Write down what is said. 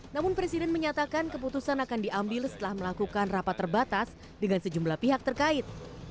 namun presiden menyatakan keputusan akan diambil setelah melakukan rapat terbatas dengan sejumlah pihak terkait